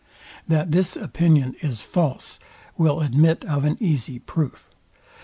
That this opinion is false will admit of an easy proof.